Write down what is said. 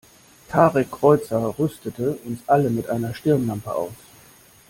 Tarek Kreuzer rüstete uns alle mit einer Stirnlampe aus.